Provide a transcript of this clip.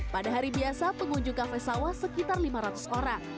pada hari biasa pengunjung kafe sawah sekitar lima ratus orang